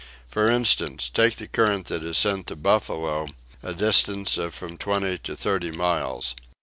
For instance, take the current that is sent to Buffalo, a distance of from twenty to thirty miles.